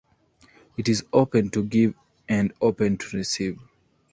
It is open to give and open to receive.